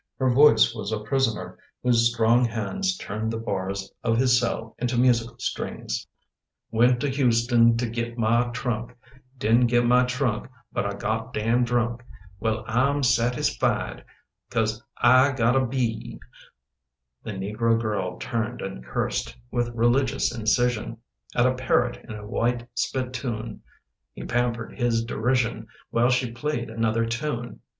Her voice was a prisoner Whose strong hands turned the bars of his cell Into musical strings. Wen' tuh Houston, tuh get mah trunk, Did'n get mah trunk, but ah got dam 9 drunk. Well, ahm satis fi i ied Cause ah gotta be e e ee. The negro girl turned and cursed With religious incision At a parrot in a white spittoon. He pampered his derision While she played another tune.